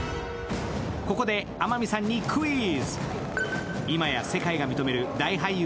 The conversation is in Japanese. ここで天海さんにクイズ。